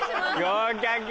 合格。